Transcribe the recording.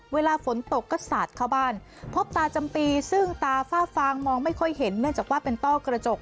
เวลาฝนตกก็สาดเข้าบ้านพบตาจำปีซึ่งตาฝ้าฟางมองไม่ค่อยเห็นเนื่องจากว่าเป็นต้อกระจก